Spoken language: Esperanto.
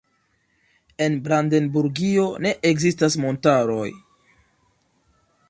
En Brandenburgio ne ekzistas montaroj.